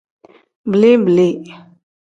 Bili-bili.